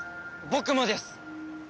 僕もです。